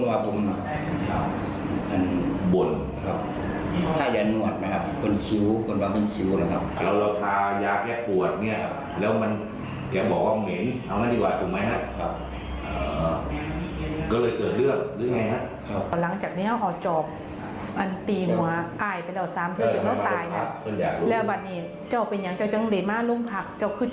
อ่าก็เลยเกิดเรื่องเรื่องไงอ่ะครับ